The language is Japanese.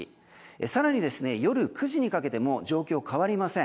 更に夜９時にかけても状況は変わりません。